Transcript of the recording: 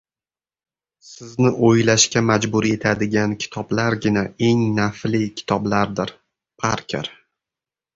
Sizni o‘ylashga majbur etadigan kitoblargina eng nafli kitoblardir. Parker